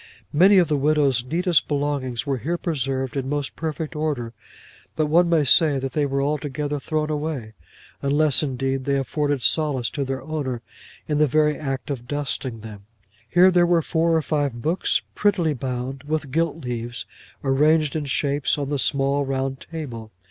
Many of the widow's neatest belongings were here preserved in most perfect order; but one may say that they were altogether thrown away, unless indeed they afforded solace to their owner in the very act of dusting them. Here there were four or five books, prettily bound, with gilt leaves, arranged in shapes on the small round table.